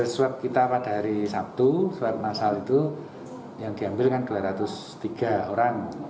swab kita pada hari sabtu swab masal itu yang diambil kan dua ratus tiga orang